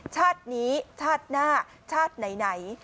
ชาตินี้ชาติหน้าชาติไหน